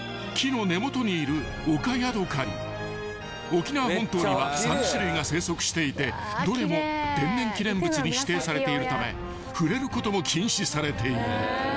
［沖縄本島には３種類が生息していてどれも天然記念物に指定されているため触れることも禁止されている］